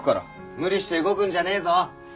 無理して動くんじゃねえぞ。